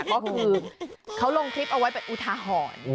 ก็คือเขาลงคลิปเอาไว้เป็นอุทาหรณ์